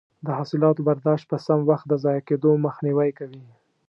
د حاصلاتو برداشت په سم وخت د ضایع کیدو مخنیوی کوي.